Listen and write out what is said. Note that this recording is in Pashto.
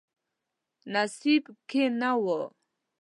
نصیب کې نه و.